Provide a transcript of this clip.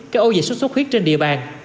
các ô dịch sốt xuất khuyết trên địa bàn